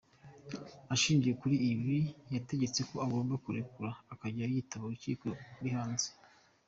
Ashingiye kuri ibi yategetse ko agomba kurekurwa akajya yitaba urukiko ari hanze.